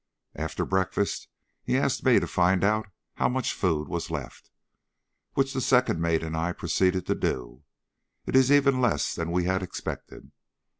After breakfast he asked me to find out how much food was left, which the second mate and I proceeded to do. It is even less than we had expected.